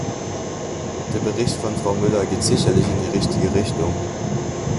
Der Bericht von Frau Myller geht sicherlich in die richtige Richtung.